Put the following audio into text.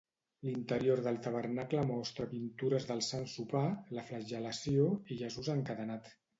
L'interior del tabernacle mostra pintures del Sant Sopar, la Flagel·lació i Jesús encadenat.